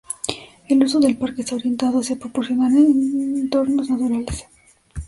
El uso del parque está orientado hacia proporcionar entornos naturales.